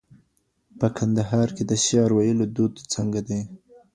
په کندهار کي د شعر ویلو دود څنګه دی؟